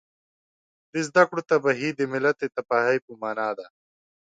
د زده کړو تباهي د ملت د تباهۍ په مانا ده